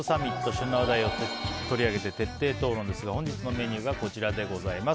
旬な話題を取り上げて徹底討論ですが本日のメニューはこちらです。